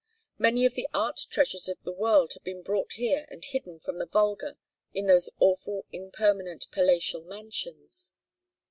Many of the art treasures of the world had been brought here and hidden from the vulgar in those awful impermanent "palatial mansions."